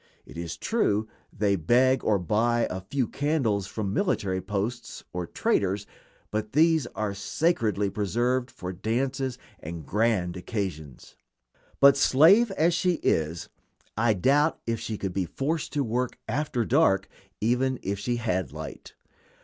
It is true they beg or buy a few candles from military posts or traders, but these are sacredly preserved for dances and grand occasions. But, slave as she is, I doubt if she could be forced to work after dark even if she had light.